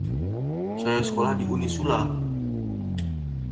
It is customarily accompanied by a sweet or salty yoghurt based drink called lassi.